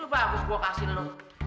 itu bagus gue kasih lu